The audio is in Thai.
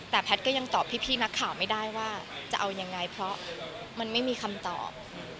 แต่แพทย์ก็ยังตอบพี่นักข่าวไม่ได้ว่าจะเอายังไงเพราะมันไม่มีคำตอบ